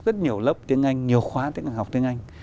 rất nhiều lớp tiếng anh nhiều khóa học tiếng anh